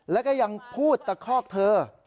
แล้วก็ยังพูดตะคอกเธอ